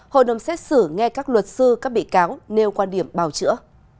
hội đồng xét xử nghe các luật sư các bị cáo nêu quan điểm bào chữa